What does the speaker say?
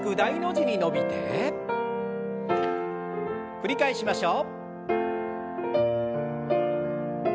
繰り返しましょう。